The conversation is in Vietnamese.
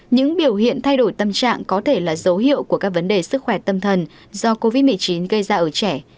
những biểu hiện thay đổi tâm trạng có thể là dấu hiệu của các vấn đề sức khỏe tâm thần do covid một mươi chín gây ra ở trẻ